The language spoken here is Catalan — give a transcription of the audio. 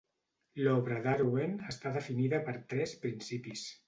L'obra d'Irwin està definida per tres principis.